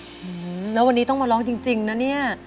อืมแล้ววันนี้ต้องมาร้องจริงนะเนี่ย